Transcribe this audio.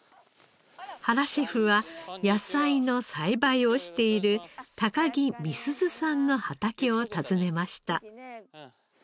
原シェフは野菜の栽培をしている高木美鈴さんの畑を訪ねました。